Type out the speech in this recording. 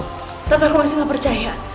tapi aku masih gak percaya